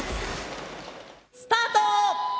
スタート！